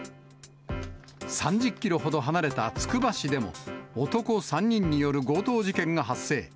３０キロほど離れたつくば市でも、男３人による強盗事件が発生。